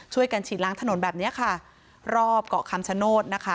ฉีดล้างถนนแบบเนี้ยค่ะรอบเกาะคำชโนธนะคะ